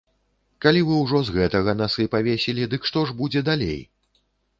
Калі вы ўжо з гэтага насы павесілі, дык што ж будзе далей?